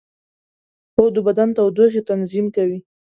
خوب د بدن تودوخې تنظیم کوي